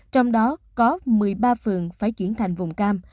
trong đó có một mươi ba phường phải chuyển thành vùng cam